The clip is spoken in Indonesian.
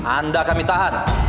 anda kami tahan